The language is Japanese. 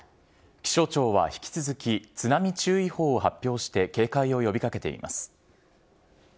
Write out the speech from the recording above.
気象庁は引き続き、津波注意報を発表して警戒を呼びかけています。